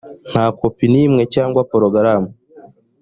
nta kopi n imwe cyangwa porogaramu